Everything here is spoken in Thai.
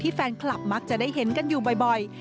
แฟนคลับมักจะได้เห็นกันอยู่บ่อย